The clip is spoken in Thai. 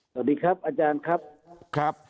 สวัสดีครับอาจารย์ครับ